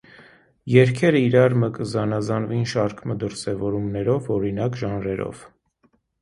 Երգերը իրարմէ կը զանազանուին շարք մը դրսեւորումներով, օրինակ՝ ժանրերով։